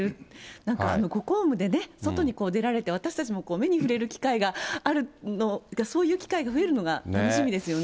なんかご公務でね、外に出られて私たちも目に触れる機会があるのが、そういう機会が増えるのが楽しみですよね。